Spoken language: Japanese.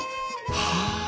はあ！